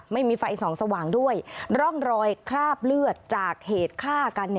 ไม่มีไฟส่องสว่างด้วยร่องรอยคราบเลือดจากเหตุฆ่ากัน